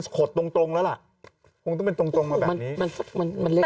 ขดตรงแล้วล่ะคงต้องเป็นตรงมาแบบนี้